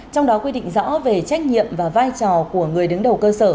trong đó quy định rõ về trách nhiệm và vai trò của người đứng đầu cơ sở